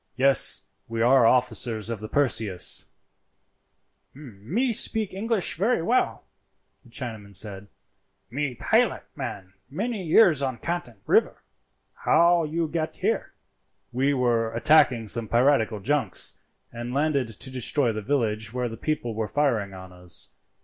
"Yes, we are officers of the Perseus." "Me speeke English velly well," the Chinaman said; "me pilot man many years on Canton river. How you get here?" "We were attacking some piratical junks, and landed to destroy the village where the people were firing on us.